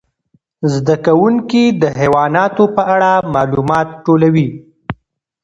زده کوونکي د حیواناتو په اړه معلومات ټولوي.